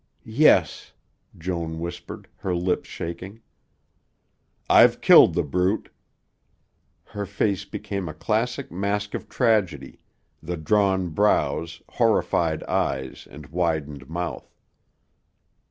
"Yes," Joan whispered, her lips shaking. "I've killed the brute." Her face became a classic mask of tragedy, the drawn brows, horrified eyes, and widened mouth.